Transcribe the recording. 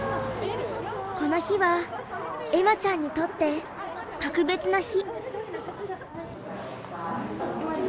この日は恵麻ちゃんにとって特別な日。